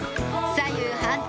左右反対